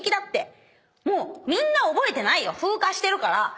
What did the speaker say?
もうみんな覚えてないよ風化してるから。